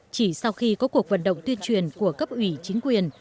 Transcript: chỉ sau khi có cuộc vận động tuyên truyền của cấp ủy chính quyền